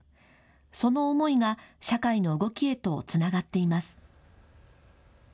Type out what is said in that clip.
その思いが社会の動きへとつながっています。